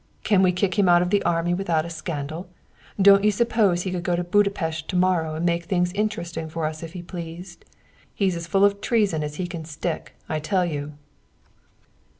Can we kick him out of the army without a scandal? Don't you suppose he could go to Budapest tomorrow and make things interesting for us if he pleased? He's as full of treason as he can stick, I tell you."